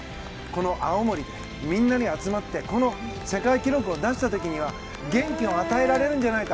青森でみんなが集まって世界記録を出した時には元気を与えられるんじゃないか。